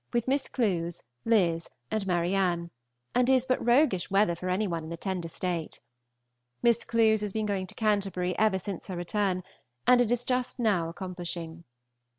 with Miss Clewes, Liz., and Ma^{rnne}, and it is but roughish weather for any one in a tender state. Miss Clewes has been going to Canty. ever since her return, and it is now just accomplishing.